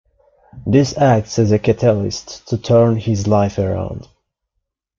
This acts as a catalyst to turn his life around.